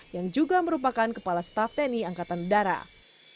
yang juga merupakan kepala staff tni angkatan darat